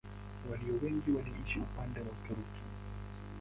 Walio wengi waliishi upande wa Uturuki.